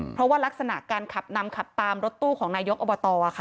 เพราะว่ารักษณะการขับนำขับตามรถตู้ของนายกอบตค่ะ